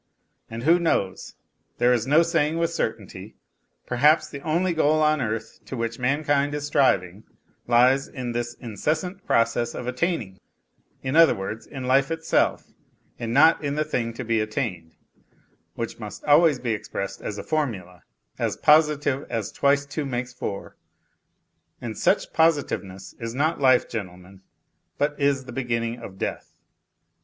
And who knows (there is no saying with certainty), perhaps the only goal on earth to which mankind is striving lies in this inces sant process of attaining, in other words, in life itself, and not in the thing to be attained, which must always be expressed as a formula, as positive as twice two makes four, and such positive ness is not life, gentlemen, but is the beginning of death.